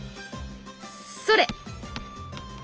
それ！